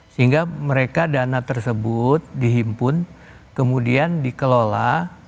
sehingga mereka dana tersebut dihimpun kemudian dikelola